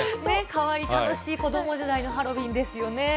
かわいい、楽しい子ども時代のハロウィーンですよね。